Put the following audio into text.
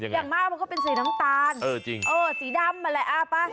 อย่างมากมันก็เป็นสีน้ำตาลสีดำอะไรอ้าวป่ะ